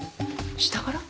下から？